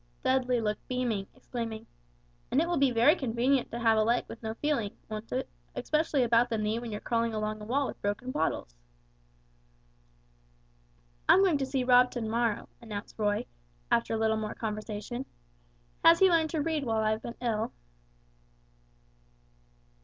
Dudley looked beaming, exclaiming, "And it will be very convenient to have a leg with no feeling, won't it, especially about the knee when you're crawling along a wall with broken bottles." "I'm going to see Rob to morrow," announced Roy, after a little more conversation. "Has he learned to read while I have been ill?"